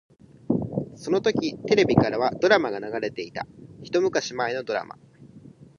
そのときテレビからはドラマが流れていた。一昔前のドラマ。